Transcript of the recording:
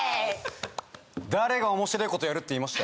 誰が面白えことやるって言いました？